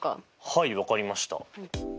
はい分かりました。